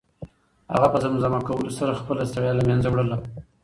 هغه په زمزمه کولو سره خپله ستړیا له منځه وړله.